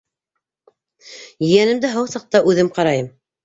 Ейәнемде һау саҡта үҙем ҡарайым.